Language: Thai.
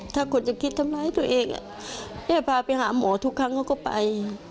ถ้าคนจะคิดทำร้ายตัวเองแม่พาไปหาหมอทุกครั้งเขาก็ไป